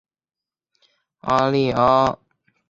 阿利阿。